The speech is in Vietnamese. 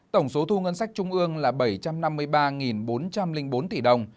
tổng số thu ngân sách trung ương là bảy trăm năm mươi ba bốn trăm linh bốn tỷ đồng